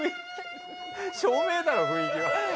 照明だろ雰囲気は。